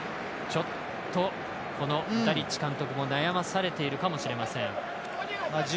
ちょっと、ダリッチ監督も悩まされてるかもしれません。